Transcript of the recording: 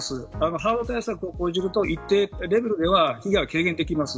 ハード対策を講じると一定レベルで被害は軽減できます。